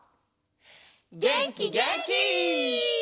げんきげんき！